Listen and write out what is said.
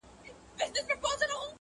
نن په څشي تودوې ساړه رګونه!!